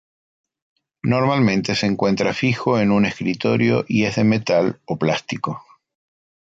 Normalmente se encuentra fijo en un escritorio y es de metal o plástico.